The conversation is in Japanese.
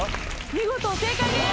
見事正解です！